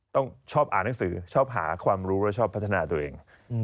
ต้องชอบอ่านหนังสือชอบหาความรู้และชอบพัฒนาตัวเอง